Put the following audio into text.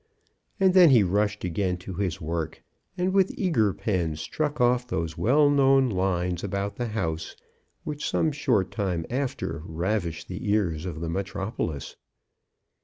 And then he rushed again to his work, and with eager pen struck off those well known lines about the house which some short time after ravished the ears of the metropolis.